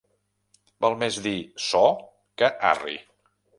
Val més dir so que arri.